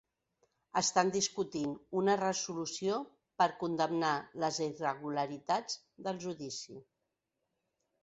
Estan discutint una resolució per condemnar les irregularitats del judici.